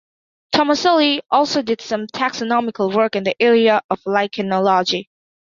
Tomaselli also did some taxonomical work in the area of lichenology.